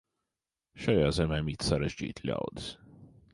Šajā zemē mīt sarežģīti ļaudis.